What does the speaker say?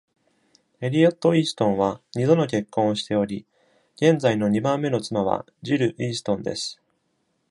エリオット・イーストンは二度の結婚をしており、現在の二番目の妻はジル・イーストンです。